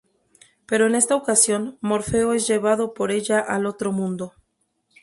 Pero en esta ocasión, Morfeo es llevado por ella al otro mundo.